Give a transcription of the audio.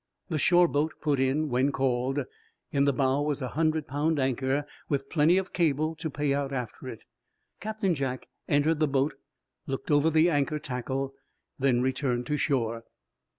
The shore boat put in when called. In the bow was a hundred pound anchor, with plenty of cable to pay out after it. Captain Jack entered the boat, looked over the anchor tackle, then returned to shore.